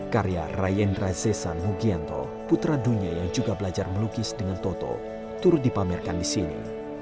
karya rayendra zesan mugianto putra dunia yang juga belajar melukis dengan toto turut dipamerkan di sini